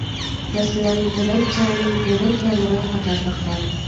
مەسىلەن بۆرەك جامى بۆرەك ياللۇغى قاتارلىقلار.